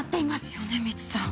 米光さん。